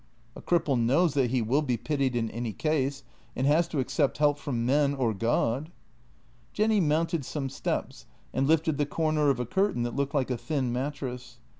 " A cripple knows that he will be pitied in any case, and has to accept help from men — or God." Jenny mounted some steps and lifted 'the corner of a curtain that looked like a thin mattress.